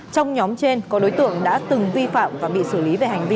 trong nhóm trên có đối tượng đã từng vi phạm và bị xử lý về hành vi mang không khí